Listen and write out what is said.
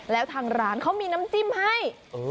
แล้วทางร้านเขามีน้ำจิ้มให้